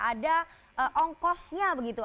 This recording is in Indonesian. ada ongkosnya begitu